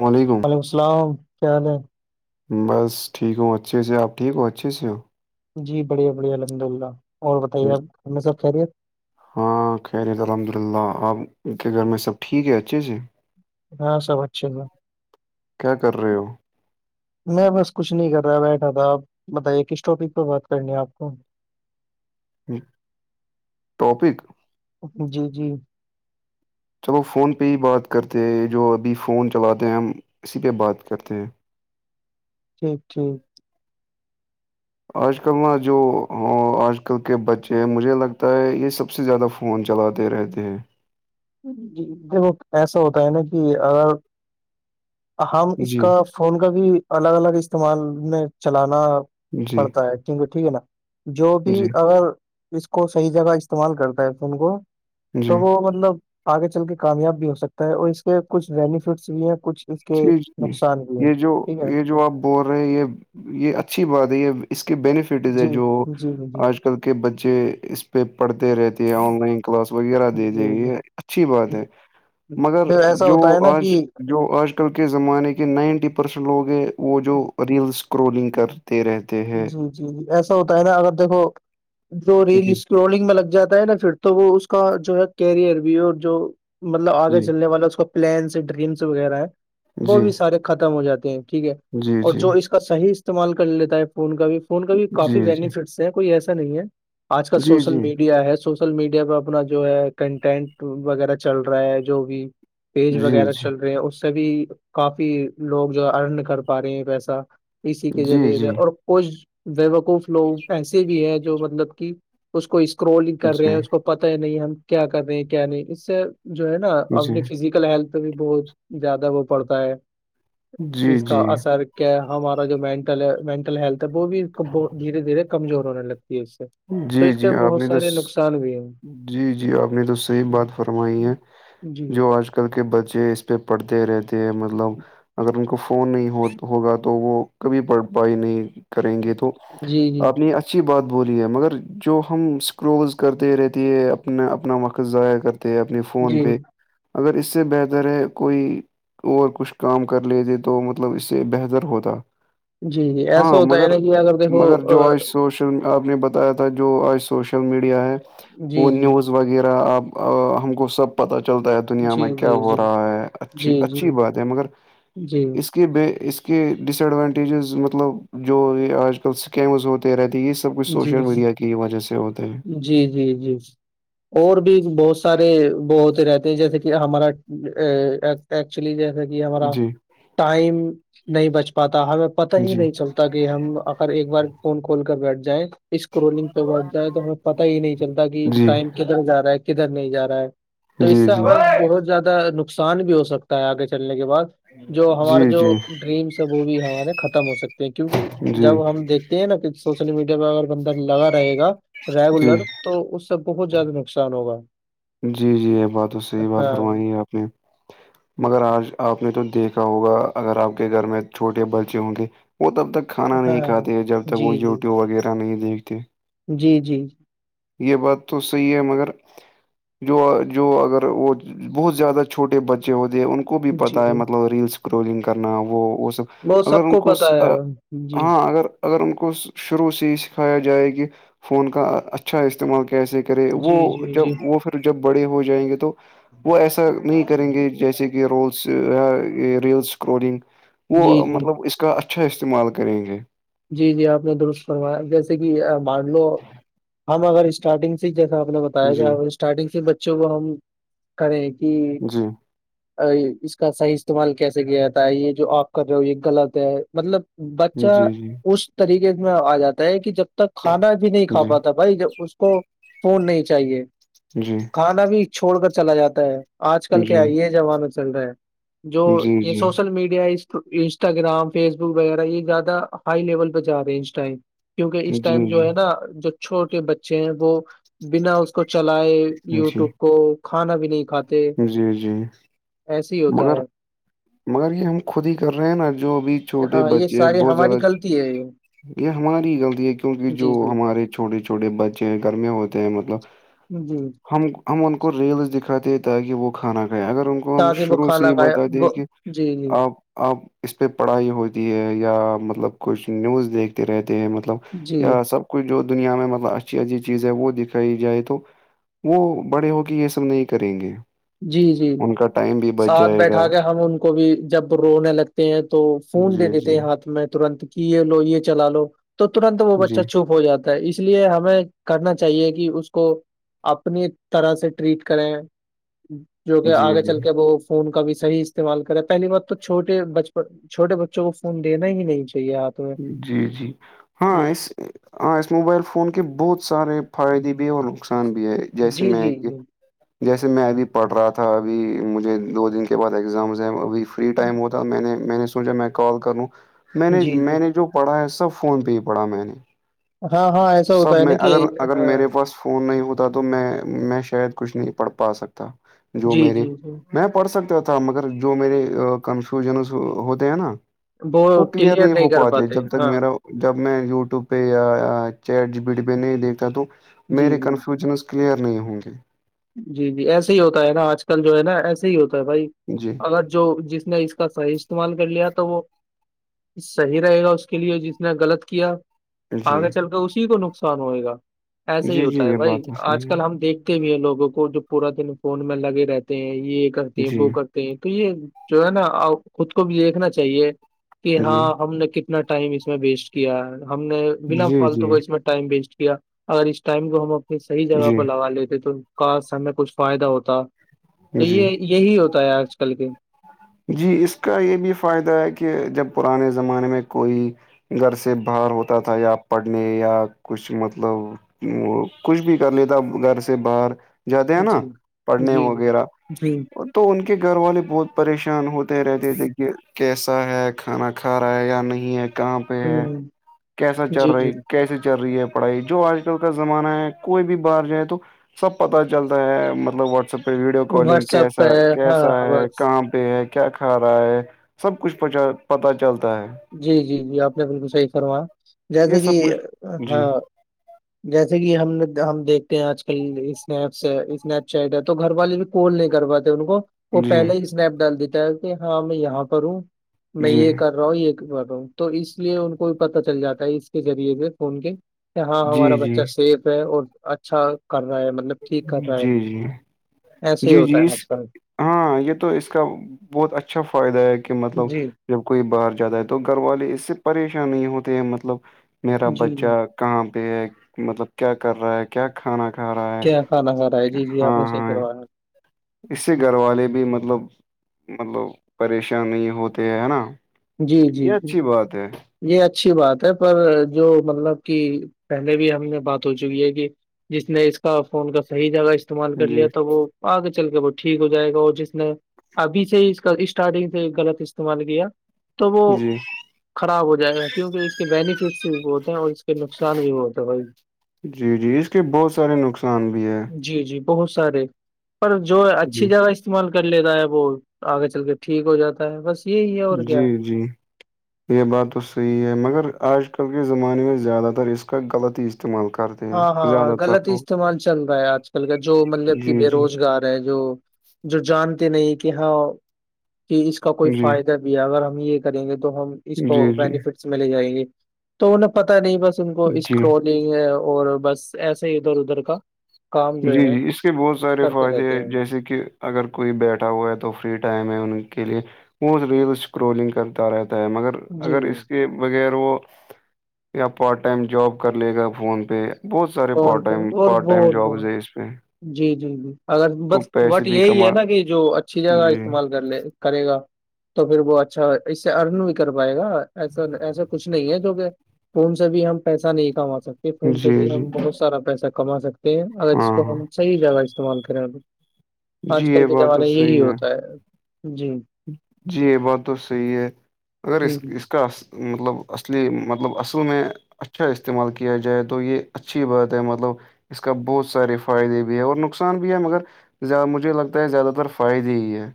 وعلیکم وعلیکم السلام کیا حال ہے بس ٹھیک ہوں اچھے سے آپ ٹھیک ہو اچھے سے ہو جی بڑھیا بڑھیا الحمد اللہ اور بتائیے آپ ہم سب خہرییت ہاں خیریت الحمد للہ آپ کے گھر میں سب ٹھیک ہے اچھے سے ہاں سب اچھے ہیں کیا کر رہے ہو میں بس کچھ نہیں کر رہا بیٹھا تھا آپ بتائیے کس ٹاپک پہ بات کرنی ہے آپ کو [inaudible] ٹاپک جی جی چلو فون پہ ہی بات کرتے ہیں جو ابھی فون چلاتے ہیں ہم اسی پہ بات کرتے ہیں ٹھیک ٹھیک آج کل ن جو آج کل کے بچے ہیں مجھے لگتا ہے یہ سب سے زیادہ فون چلاتے رہتے ہیں جی دیکھو ایسا ہوتا ہے نا کہ اگر ہم اس جی کا فون کا بھی الگ الگ استعمال میں چلانا جی پڑتا ہے کیونکہ ٹھیک ہے نا جو بھی جی اگر اس کو صحیح جگہ استعمال کرتا ہے فون کو جی تو وہ مطلب آگے چل کے کامیاب بھی ہو سکتا ہے اور اس کے کچھ بینیفٹس بھی ہیں کچھ اس کے جی جی نقصان بھی ہیں یہ جو ٹھیک ہے یہ جو آپ ب رہے یہ یہ اچھی بات ہے یہ اس کے بینیفٹز جی ہے جو جی جی آج کل کے بچے اس پہ پڑھتے رہتے ہیں آن لائن کلاس وغیرہ دے دے جی جی گی اچھی بات ہے جی مگر ایسا جو ہوتا ہے نا آج کہ جو آج آج کل کے زمانے کے نائنٹی پرسینٹ لوگ ہیں وہ جو ریلس کرولنگ کرتے رہتے ہیں جی جی جی ایسا ہوتا ہے نا اگر دیکھو جو ریل جی ٹرولنگ میں لگ جاتا ہے نا پھر تو وہ اس کا جو ہے کیریئر بھی اور جو مطلب آگے جی چلنے والا اس کو پلانس ڈریمس وغیرہ ہے وہ جی بھی سارے ختم ہو جاتے ہیں ٹھیک ہے جی اور جی جو اس کا صحیح استعمال کر لیتا ہے فون کا بھی فون کا بھی کافی جی بینیفٹس ہیں کوئی ایسا نہیں ہے آج کل جی جی سوشل جی میڈیا ہے سوشل میڈیا پہ اپنا جو ہے کنٹینٹ وغیرہ چل رہا ہے جو بھی پیج وغیرہ جی چل رہے ہیں اس سے بھی کافی لوگ جو ہے ارن کر پا رہے ہیں پیسہ اسی کے جی ذریعے سے جی اور کچھ بیوقوف لوگ ایسے بھی ہیں جو مطلب کہ اس کو اسکرولنگ جی کر رہے ہیں جی اس کو پتہ ہے نہیں ہم کیا کر رہے ہیں کیا نہیں اس سے جو ہے نا جی اپنی فزیکل ہیلتھ پہ بھی بہت زیادہ وہ پڑتا ہے جی اس کا جی اثر کیا ہے ہمارا جو مینٹل ہے مینٹل ہیلتھ تب وہ بھی دھیرے دھیرے کمزور ہونے لگتی ہے اس سے تو جی اس جی کے آپ بہت نے تو سارے نقصان بھی ہیں جی جی آپ نے تو صحیح بات فرمائی ہے جی جو آج آج کل کے بچے اس پہ پڑھتے رہتے ہیں مطلب اگر ان کو فون نہیں ہو ہوگا تو تو وہ کبھی بڑپائی نہیں کریں گے تو جی جی آپ نے اچھی بات بولی ہے مگر جو ہم اسکرولز کرتے رہتی ہے اپنا اپنا وقت ضائع کرتے اپنے فون جی پہ اگر اس سے بہتر ہے کوئی اور کچھ کام کر لیتے تو مطلب اس سے بہتر ہوتا جی جی ایسا ہاں ہوتا ہے مگر نا کہ اگر دیکھو مگر جو آ سوش آپ نے بتایا تھا جو آج سوشل میڈیا ہے جی وہ جی نیوز وغیرہ آپ ہم کو سب پتا چلتا ہے دنیا جی میں کیا جی جی ہو رہا ہے اچھی جی اچھی بات ہے مگر جی اس اس کے بے اس کے ڈس ایڈوانٹیجز مطلب جو یہ آج کل سکیمز ہوتے رہتے اس سب کچھ سوشل جی جی میڈیا کی وجہ سے ہوتا ہے جی جی جی اور بھی بہت سارے وہ ہوتے رہتے ہیں جیسے کہ ہمارا ایکچولی جیسے کہ ہمارا جی ٹائم نہیں بچ پاتا ہمیں پتہ ہی جی نہیں چلتا کہ ہم اگر ایک بار فون کال کر بیٹھ جائیں اسکرولنگ پہ بھ جائے تو ہمیں پت ہی نہیں چلتا کہ جی ٹائم کدھر جا رہا ہے کدھر نہیں جا رہا ہے تو جی اس جی سے ہمیں جی بہت زیادہ نقصان بھی ہو سکتا ہے آگے چلنے کے بعد جو ہمارے جو جی ڈریمس ہے وہ بھی ہمارے ختم ہو سکتے ہیں کیونکہ جی جب جی ہم دیکھ نہا ک سوشل میڈیا پہ اگر بند لگا رہے گا ریگولر تو اس سے بہت زیادہ نقصان ہوگا جی جی بات تو صحیح بات فرمائی ہاں ہے آپ نے مگر آج آپ نے تو دیکھا ہوگا اگر آپ کے گھر میں چھوٹے بچے ہوں گے وہ تب تک کھانا نہیں ہاں کھاتے ہے جب تک جی وہ جی یوٹیوب وغیرہ نہیں دیکھتے جی جی یہ بات تو صحیح ہے مگر جو جو اگر وہ بہت زیادہ چھوٹے بچے ہوتے ہیں ان کو بھی پتا ہے جی مطلب ریلسکرولنگ کرنا وہ وہ سب وہ اگر سب ان کو پتا ہے جی ہاں اگر اگر ان کو شروع سے یہ سکھایا جائے کہ فون کا اچھا استعمال کیسے کرے وہ جی جی جب جی وہ پھر جب بڑے ہو جائیں گے تو وہ ایسا نہیں کریں گے جیسے کہ رولس ریلس اسکرولنگ جی وہ جی مطلب اس کا اچھا اچھا استعمال کریں گے جی جی آپ نے درست کروایا جیسے کہ بلو ہم اگر اسٹارٹنگ سے ہی جیسا اپنے بتا کہ جی اسٹارٹنگ سے بچوں کو ہم کریں کہ جی اس کا صحیح استعمال کیسے کیا جاتا ہے یہ جو آپ کر رہے ہو یہ غلط ہے مطلب بچہ جی جی اس طریقے میں آ جاتا ہے کہ جب تک کھانا بھی نہیں کھا جی پاتا بھائی ج اس کو فون نہیں چاہیے جی کانا بھی چھوڑ کر چلا جاتا ہے آج کل کیا جی یہ زمانہ چل رہا ہے جو جی یہ جی social media Instagram Facebook وغیرہ یہ زیادہ ہائی لیول پہ جا رہے ہیں اس ٹائم کیونکہ جی اس ٹائم جی جو ہے نا جو چھوٹے بچے ہیں وہ بنا اس کو چلائے جی یوٹیوب کو کھانا بھی نہیں کھاتے جی جی ایسے ہی ہوتا مگر ہے مگر یہ ہم خود ہی کر رہے ہیں نا جو ابھی چھوٹے ہاں یہ بچے ہیں ساری بہت ہماری زیادہ غلطی ہے یہ یہ ہماری غلطی ہے کیونکہ جو جی جی ہمار ہمارے چھٹے چھوٹے بچے گھر میں ہوتے ہیں مطلب جی ہم ہم ان کو ریلس دکھاتے ہیں تاکہ وہ کھانا کھائےیں اگر ان کو ہم تاکہ وہ شروع سے کھانا یہ کھائے بتا وہ د کہ جی جی آپ آپ اس پہ پڑھائی ہوتی ہے یا مطلب کچھ نیوز دیکھتے رہتے ہیں مطلب جی یا سب کچھ جو دنیا میں مطلب اچھی اچھی چیز ہے وہ دکھائی جائے تو وہ بڑے ہو کے یہ سب نہیں کریں گے جی جی ان کا ٹائم بھی بچ ساتھ جائے گا بیٹھا کے ہم ان کو بھی جب رونے لگتے ہیں تو فون دے جی دیتے جی ہیں ہاتھ میں ترنت کہ یہ لو یہ چلا لو تو ترنت وہ جی بچہ چپ ہو جاتا ہے اس لیے ہمیں کرنا چاہیے کہ اس کو اپنی طرح سے ٹریٹ کریں جو کہ جی آگے جی چل کے وہ فون کا بھی صحیح استعمال کرے پہلی بات تو چھوٹے بچپن چھوٹے بچوں کو فون دین ہی نہیں چاہیے آپ جی جی ہاں اس ہاں اس موبائل فون کے بہت سارے فائدے بھی اور نقصان بھی ہے جیسے جی میں جی کہ جی جیسے میں ابھی پڑھ رہا تھا ابھی مجھے دو دن کے بعد ایگزامز ہیں ابھی فری ٹائم ہوتا میں نے میں نے سوچا میں کال کر لوں میں نے جی جی میں نے جو پڑا ہے سب فون پہ ہی پڑا میں نے ہاں ہاں ایسا ہوتا سب ہے میں نا کہ اگر اگر ہاں میرے پاس فون نہیں ہوتا تو میں میں شاید کچھ نہیں پڑھ پا سکتا جو جی میرے جی جی میں پڑھ سکتا تھا مگر جو میرے کنفیوژنز ہوتے ہیں نا وہ پلیئر نہیں ہو پاتے جب تک میرا جب میں یوٹیوب پہ یا چیٹ جی بی ڈ پہ نہیں دیکھتا تو جی میرے جی کنفیوژن کلیئر نہیں ہوں گے جی جی ایسے ہی ہوتا ہے نا آج کل جو ہے نا ایسے ہی ہوتا ہے بھائی جی اگر جو جس نے اس کا صحیح استعمال کر لیا تو وہ صحیح رہے گا اس کے لیے جس نے غلط کیا جی آگے چل کے اسی کو نقصان ہوئے گا ایسے ہی جی جی ہوتا ہے یہ بات بھائی تو آج صحیح ہے کل ہم دیکھ بھی ہیں لوگوں کو جو پورا دن فون میں لگے رہتے ہیں یہ کرتے ہیں جی وہ کر تو یہ جو ہے نا خود کو بھی دیکھنا چاہیے کہ جی ہاں ہم نے ک اپنا ٹائم اس میں ویسٹ کیا ہم نے جی بنا فالتو کو جی اس میں ٹائم ویسٹ کیا اگر اس ٹائم کو ہم اپنی صحی جگہ جی پر لگا لیتے تو کا ہمیں کچھ فائدہ ہوتا تو جی یہ یہی ہوتا ہے آج کل کے جی اس کا یہ بھی فائدہ ہے کہ جب پرانے زمانے میں کوئی گھر سے باہر ہوتا تھا یا پڑھنے یا کچھ مطلب وہ کچھ بھی کر لیتا گھر سے باہر جاتے ہیں نا جی پڑھنے جی وغیرہ جی جی تو ان کے گھر والے بہت پریشان ہوتے رہتے تھے کہ کیسا ہے کھانا کھا رہا ہے یا نہیں ہے کہاں پہ ہے ہ کیسا چل جی جی رہی کیسے چل رہی ہے پڑھائی جو آج کل کا زمانہ ہے کوئی بھی باہر جائے تو سب پتا چلتا ہے مطلب واٹس ایپ تو ویڈیو کالنگ واٹسپ پہ کیسا ہے، کیسا ہاں ہے بس اں پہ ہے کیا کھا رہا ہے سب کچھ پتا چلتا ہے جی جی جی آپ نے بالکل صحیح کروا یہ جیسے کہ سب کچھ جی ہاں جیسے کہ ہم ہم دیکھتے ہیں آج کل اسنیپس ہے اسنیپ چیٹ ہے تو گھر والے بھی کوول نہیں کر پاتے ان کو وہ جی پہلے ہی اسنیپ ڈال دیتا ہے کہ ہاں میں یہاں پر ہوں میں جی یہ کر رہا ہوں یہ ا ہ تو اس لیے ان کو بھی پتہ چل جاتا ہے اس کے ذریعے سے فون کے ہاں ہمارا جی بچہ جی سیف ہے اور اچھا کر رہا ہے مطلب مطلب ٹھیک کرتا ہے جی جی ایسے ہی جی ہوتا جی ہے اس آج کل ہاں یہ تو اس کا بہت اچھا فائدہ ہے کہ مطلب جی جب کوئی باہر جاتا ہے تو گھر والے اس سے پریشان نہیں ہوتے ہیں مطلب میرا جی جی بچہ کہاں پہ ہے مطلب کیا کر رہا ہے کیا کھانا کھا رہا ہے کیا کھانا کھ رہا ہے جی جی آپ ہاں نے صحیح ہاں کروایا اس سے گھر والے بھی مطلب مطلب پریشان نہیں ہوتے ہے نا جی جی یہ جی اچھی بات ہے یہ اچھی بات ہے پر جو مطلب کہ پہلے بھی ہم نے بات ہو چکی ہے کہ جس نے اس کا فون کا صحیح جگہ استعمال کر جی لیا تھا وہ آگے چل کے وہ ٹھیک ہو جائے گا اور جس نے ابھی سے اس کا اسٹارٹنگ سے غلط استعمال کیا تو وہ جی خراب ہو جائے گا کیونکہ اس کے بینیفٹس بھی بہت ہیں اور اس کے نقصان بھی بہت ہے بھائی جی جی اس کے بہت سارے نقصان بھی ہے جی جی بہت سارے پر جو جی اچھی جگہ استعمال کر لیتا ہے وہ آگے چل کے ٹھیک ہو جاتا ہے بس یہی ہے اور کیا جی جی یہ بات تو صحیح ہے مگر آج کل کے زمانے میں زیادہ تر اس کا غلط ہی استعمال کرتے ہیں ہاں ہاں ہاں زیادہ تر غلط لوگ استعمال چل رہا ہے آج کل کا جو جی، مطلب کہ بے جی، روزگار ہے جو جو جانتے نہیں کہ ہاں کہ اس کا کوئی جی، فائدہ بھی اگر ہم یہ کریں گے تو ہم اس جی، کو جی، بینفٹس میں لے جائیں گے تو انہیں پتا نہیں بس ان کو جی، اسکرولنگ اور بس ایسے ہی ادھر ادھر کا کام جو جی ہے جی اس کے بہت سارے کرتے فائدے رہتے ہیں جیسے کہ اگر کوئی بیٹھا ہوا ہے تو فری ٹائم ہے ان کے لیے وہ ریل اسکرولنگ کرتا رہتا ہے مگر جی اگر جی اس کے بغیر وہ یا پارٹ ٹائم جاب کر لے گا فون پہ بہت سارے اور پارٹ ٹم اور پارٹ ٹائم بہت جابز بہت ہے اس پ میں جی جی جی اگر بس وٹ بھی یہی ہے کما نا کہ جو اچھی جگہ جی استعمال کر لے کرے گا تو پھر وہ اچھا اس سے ارن بھی کر پائے گا ایسا ایسا کچھ نہیں ہے فون سے بھی ہم پیسہ نہیں کما سکتے فون سے جی بھی جی ہم بہت سارا پیسہ کما سکتے اگر اس ہاں کو ہاں ہم صحیح جگہ استعمال کریں تو جی آج یہ کل کے بات تو زمانے یہی صحیح ہے ہوتا ہے جی جی یہ بات تو صحیح ہے اگر ہ اس اس کا مطلب اصلی مطلب اصل میں اچھا استعمال کیا جائے تو یہ اچھی بات ہے مطلب اس کا بہت سارے فائدے بھی ہے اور نقصان بھی ہے مگر ز مجھے لگتا ہے زیادہ تر فائدے ہی ہیں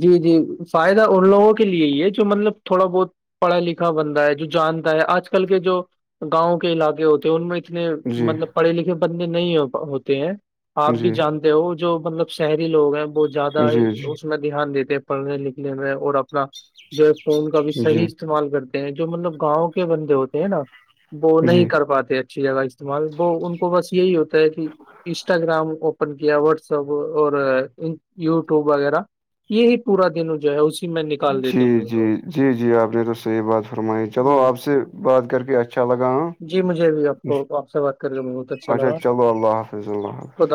جی جی فائدہ ان لوگوں کے لیے ہی ہے جو مطلب تھوڑا بہت پڑھا لکھا بندہ ہے جو جانتا ہے آج کل کے جو گاؤں کے علاقے ہوتے ہیں ان میں اتنے جی مطلب پڑھے لکھے بندے نہیں ہوتے ہیں آپ بھی جی جانتے وہ جو مطلب شہری لوگ ہیں بہت زیاد جی جی میں دھیان دیتے ہیں پڑھنے لکھنے میں اور اپنا جو ہے فون کا بھی جی صح جی استعمال کرتے ہیں جو مطلب گاؤں کے بندے ہوتے ہیں نا وہ نہیں کر پاتے اچھی جگہ استعمال وہ ان کو بس یہی ہوتا ہے کہ انسٹاگرام اوپن کیا واٹسپ اور یو ٹیوب وغیرہ یہی پورا دن جو ہے اس جی جی جی جی آپ نے تو صحیح بات فرمائی جی چلو آپ سے بات کر کے اچ اچھا لگا جی مجھے بھی آپ کو آپ سے بات کر کے بہت اچھا لگا چلو اللہ حافظ اللہ حافظ